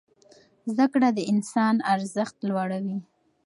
زده کړه د انسان ارزښت لوړوي.